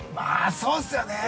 ◆そうですよね。